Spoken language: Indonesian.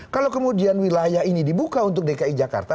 kalau kemudian wilayah ini dibuka untuk dki jakarta